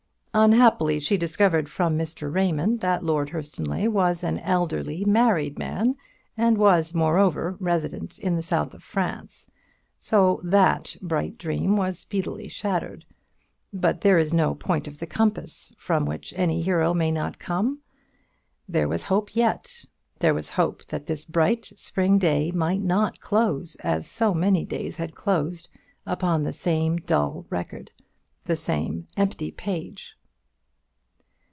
Unhappily she discovered from Mr. Raymond that Lord Hurstonleigh was an elderly married man, and was, moreover, resident in the south of France; so that bright dream was speedily shattered. But there is no point of the compass from which a hero may not come. There was hope yet; there was hope that this bright spring day might not close as so many days had closed upon the same dull record, the same empty page.